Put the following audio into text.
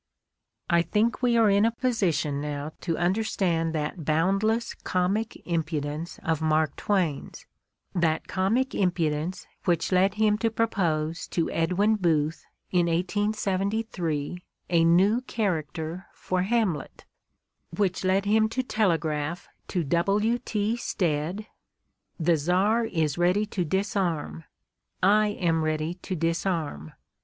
I think we are in a position now to understand that boundless comic impudence of Mark Twain's, that comic impudence which led him to propose to Edwin Booth in 1873 a new character for "Hamlet," which led him to telegraph to W. T. Stead: "The Czar is ready to disarm. I am ready to disarm.